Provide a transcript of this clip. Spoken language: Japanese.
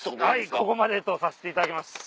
ここまでとさせていただきます。